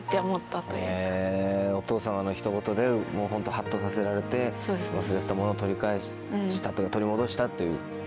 お父さまのひと言でホントハッとさせられて忘れてたものを取り返した取り戻したという。